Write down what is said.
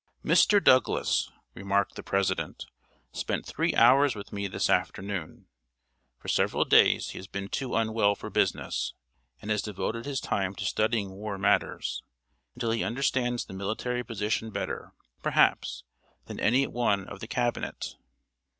"Mr. Douglas," remarked the President, "spent three hours with me this afternoon. For several days he has been too unwell for business, and has devoted his time to studying war matters, until he understands the military position better, perhaps, than any one of the Cabinet.